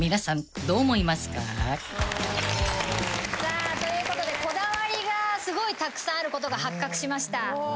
さあということでこだわりがすごいたくさんあることが発覚しました。